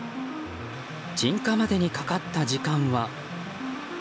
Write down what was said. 鎮火までにかかった時間は。